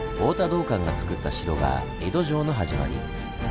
太田道灌がつくった城が江戸城の始まり。